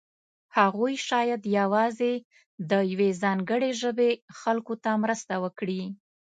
هغوی شاید یوازې د یوې ځانګړې ژبې خلکو سره مرسته وکړي.